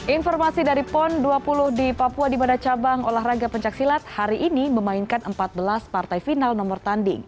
informasi dari pon dua puluh di papua di mana cabang olahraga pencaksilat hari ini memainkan empat belas partai final nomor tanding